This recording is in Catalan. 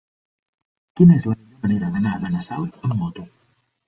Quina és la millor manera d'anar a Benassal amb moto?